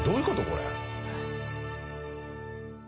これ。